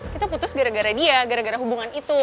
kita putus gara gara dia gara gara hubungan itu